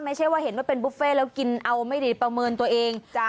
ไม่ใช่ว่าเห็นว่าเป็นบุฟเฟ่แล้วกินเอาไม่ดีประเมินตัวเอง